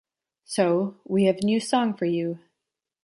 So, we have a new song for you.